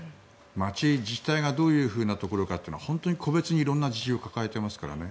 街自体がどういうところかって本当に個別に色んな事情を抱えていますからね。